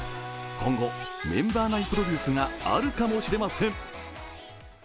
今後、メンバー内プロデュースがあるかもしれません。